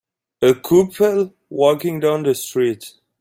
A couple walking down the street